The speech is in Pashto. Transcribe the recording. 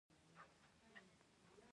خاموشي کله ناکله تر خبرو قوي وي.